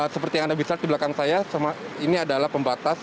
seperti yang anda bisa lihat di belakang saya ini adalah pembatas